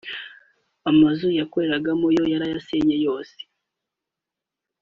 amazu yakoreragamo yo yarayasenywe yose